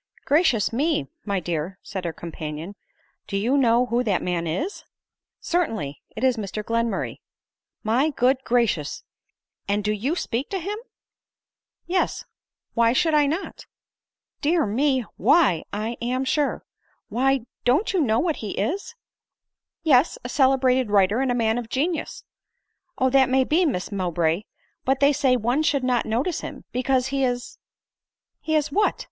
" Gracious me ! my dear," said her companion, " do you know who that man is ?"" Certainly ; it is Mr GlenmulTay. ,," My good gracious ! and do you speak to him ?"" Yes ; why should I not ?"" Dear me ! Why, I am sure ! Why— don't you know what he is ?"" Yes ; a celebrated writer, and a man of genius." " Oh, that may be, Miss Mowbray ; but they say one should not notice him, because he is "" He is what